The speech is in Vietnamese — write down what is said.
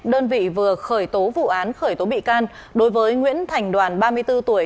đơn vị vừa khởi tố vụ án khởi tố bị can đối với nguyễn thành đoàn ba mươi bốn tuổi